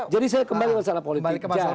jadi saya kembali ke masalah politik